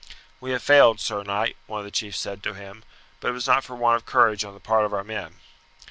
"We have failed, Sir Knight," one of the chiefs said to him, "but it was not for want of courage on the part of our men."